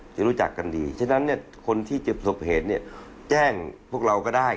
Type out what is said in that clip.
จะรู้จักกันดีฉะนั้นคนที่เจ็บประสบเหตุแจ้งพวกเราก็ได้